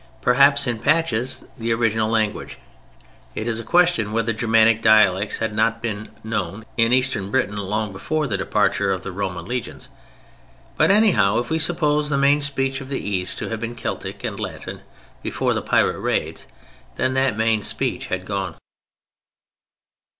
Perhaps in patches the original language. It is a question whether Germanic dialects had not been known in eastern Britain long before the departure of the Roman legions. But anyhow, if we suppose the main speech of the East to have been Celtic and Latin before the pirate raids, then that main speech had gone.